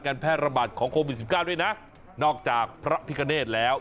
แพร่ระบาดของโควิดสิบเก้าด้วยนะนอกจากพระพิกเนธแล้ว